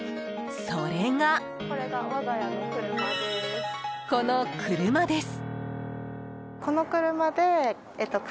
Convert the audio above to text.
それが、この車です。